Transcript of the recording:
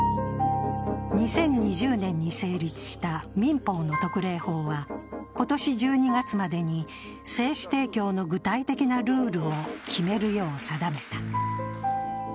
２０２０年に成立した民法の特例法は、今年１２月までに精子提供の具体的なルールを決めるよう定めた。